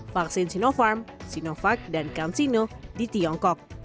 vaksin sinopharm sinovac dan cansino di tiongkok